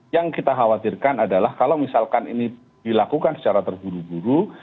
yang kita khawatirkan adalah kalau misalkan ini dilakukan secara terburu buru